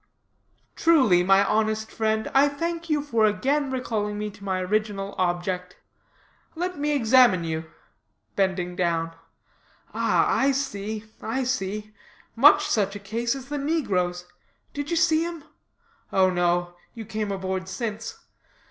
"Truly, my honest friend, I thank you for again recalling me to my original object. Let me examine you," bending down; "ah, I see, I see; much such a case as the negro's. Did you see him? Oh no, you came aboard since.